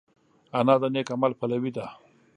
انا د نېک عمل پلوي ده